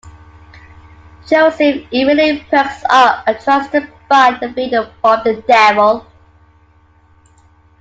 Joseph immediately perks up and tries to buy the fiddle from the devil.